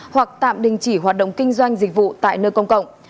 hoặc tạm đình chỉ hoạt động kinh doanh dịch vụ tại nơi công cộng